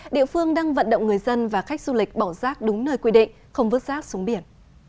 địa phương đang vận động người dân và khách du lịch bỏ rác đúng nơi quy định không vứt rác xuống biển